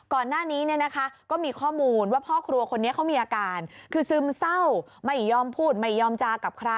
ก่อนหน้านี้เนี่ยนะคะก็มีข้อมูลว่า